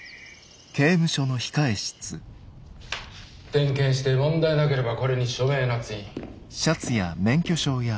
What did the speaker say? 点検して問題なければこれに署名捺印。